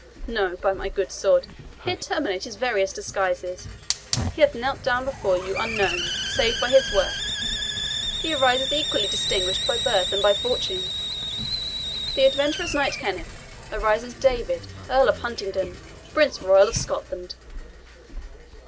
No, by my good sword! Here terminate his various disguises. He hath knelt down before you unknown, save by his worth; he arises equally distinguished by birth and by fortune. The adventurous knight, Kenneth, arises David, Earl of Huntingdon, Prince Royal of Scotland!"